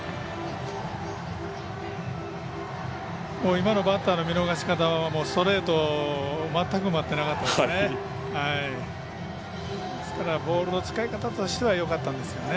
今のバッターの見逃し方はストレートを全く待っていなかったですね。